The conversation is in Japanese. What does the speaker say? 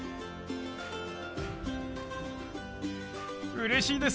うれしいです！